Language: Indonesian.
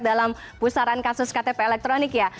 dalam pusaran kasus ktp elektronik ya